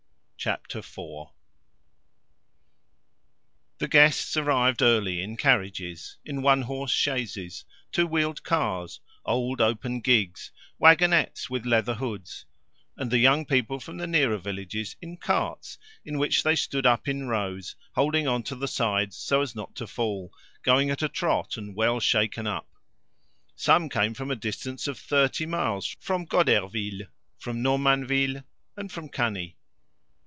Chapter Four The guests arrived early in carriages, in one horse chaises, two wheeled cars, old open gigs, waggonettes with leather hoods, and the young people from the nearer villages in carts, in which they stood up in rows, holding on to the sides so as not to fall, going at a trot and well shaken up. Some came from a distance of thirty miles, from Goderville, from Normanville, and from Cany.